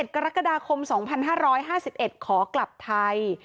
กรกฎาคม๒๕๕๑ขอกลับไทย